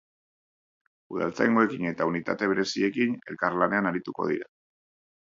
Udaltzaingoekin eta unitate bereziekin elkarlanean arituko dira.